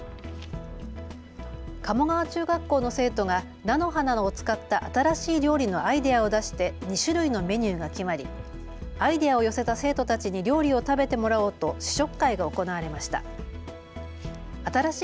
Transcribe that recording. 鴨川中学校の生徒が菜の花を使った新しい料理のアイデアを出して２種類のメニューが決まりアイデアを寄せた生徒たちに料理を食べてもらおうと試食会が行われました。